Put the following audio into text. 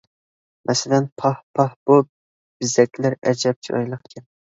مەسىلەن: پاھ، پاھ، بۇ بېزەكلەر ئەجەب چىرايلىقكەن!